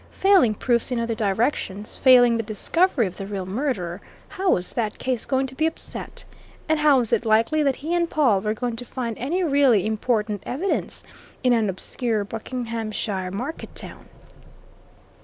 Failing proofs in other directions, failing the discovery of the real murderer, how was that case going to be upset? And was it likely that he and Pawle were going to find any really important evidence in an obscure Buckinghamshire market town?